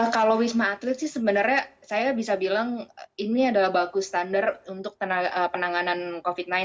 kalau wisma atlet sih sebenarnya saya bisa bilang ini adalah bagus standar untuk penanganan covid sembilan belas